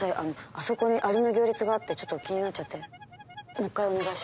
あそこにアリの行列があってちょっと気になっちゃってもう１回お願いします。